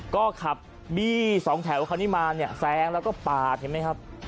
ก็ขับ๒แถวเค้านี่มาเนี่ยแซงแล้วก็ปาดเห็นไหมครับ